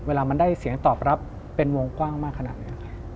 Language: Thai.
เวลามันได้เสียงตอบรับเป็นวงกว้างมากขนาดนี้